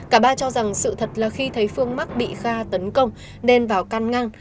cả ba cho rằng sự thật là khi thấy phương mắc bị kha tấn công nên vào căn ngang